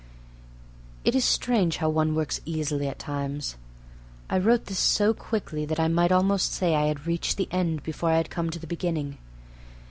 It is strange how one works easily at times. I wrote this so quickly that I might almost say I had reached the end before I had come to the beginning.